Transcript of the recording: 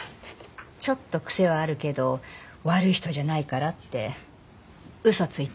ちょっとクセはあるけど悪い人じゃないからって嘘ついて。